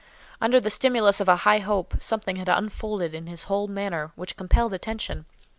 Under the stimulus of a high hope, something had unfolded in his whole manner which compelled attention.